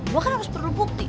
gue kan harus perlu bukti